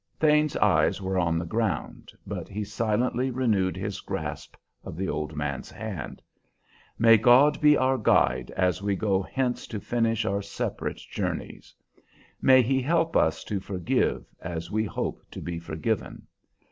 Thane's eyes were on the ground, but he silently renewed his grasp of the old man's hand. "May God be our Guide as we go hence to finish our separate journeys! May He help us to forgive as we hope to be forgiven!